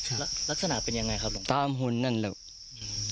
ครับลักษณะเป็นยังไงครับหลวงพ่อตามหลุมนั่นแล้วอืม